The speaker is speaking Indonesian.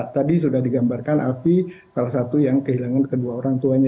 tadi sudah digambarkan alfi salah satu yang kehilangan kedua orang tuanya